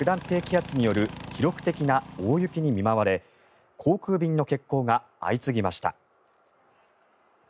低気圧による記録的な大雪に見舞われ航空便の欠航が相次ぎました。